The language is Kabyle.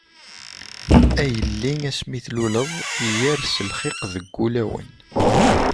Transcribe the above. A yelli asmi tluleḍ, yers lxiq deg wulawen.